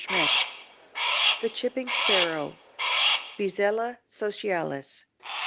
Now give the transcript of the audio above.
SCIENCES] THE CHIPPING SPARROW. (_Spizella socialis.